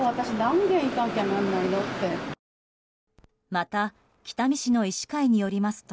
また、北見市の医師会によりますと